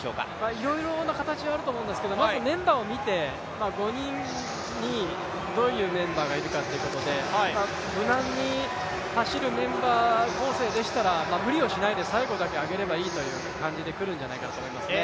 いろいろな形はあると思うんですが、まずメンバーを見て、５人にどういうメンバーがいるかということで無難に走るメンバー構成でしたら無理をしないで最後だけ上げればいいという感じで来るんじゃないでしょうかね。